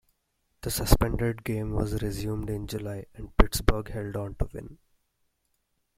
The suspended game was resumed in July, and Pittsburgh held on to win.